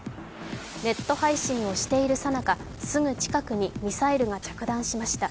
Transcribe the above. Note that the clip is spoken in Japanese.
ネット配信をしている最中、すぐ近くにミサイルが着弾しました。